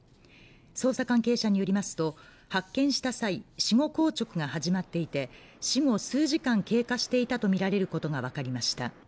捜査関係者によりますと発見した際死後硬直が始まっていて死後数時間経過していたと見られることが分かりました